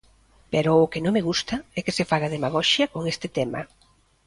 Pero o que non me gusta é que se faga demagoxia con este tema.